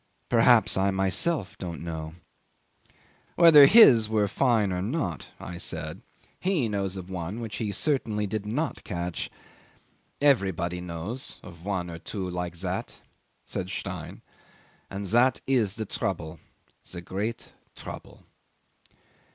Perhaps I myself don't know." "Whether his were fine or not," I said, "he knows of one which he certainly did not catch." "Everybody knows of one or two like that," said Stein; "and that is the trouble the great trouble.